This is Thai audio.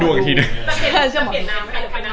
ต้องเปลี่ยนนามให้ไปนางสาว